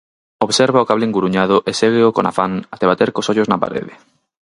Observa o cable enguruñado e ségueo con afán até bater cos ollos na parede.